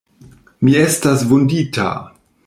Mi estas vundita!